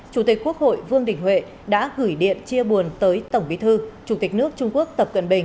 chủ tịch quốc hội vương đình huệ đã gửi điện chia buồn tới tổng bí thư chủ tịch nước trung quốc tập cận bình